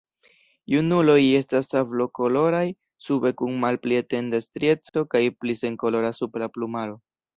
Junuloj estas sablokoloraj sube kun malpli etenda strieco kaj pli senkolora supra plumaro.